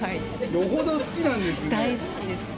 よほど好きなんですね。